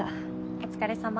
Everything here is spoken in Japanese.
お疲れさま。